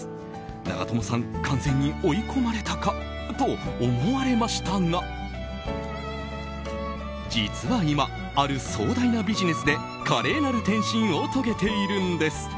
長友さん、完全に追い込まれたかと思われましたが実は今、ある壮大なビジネスで華麗なる転身を遂げているんです。